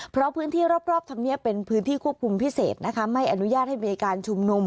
เพราะพื้นที่รอบธรรมเนียบเป็นพื้นที่ควบคุมพิเศษนะคะไม่อนุญาตให้มีการชุมนุม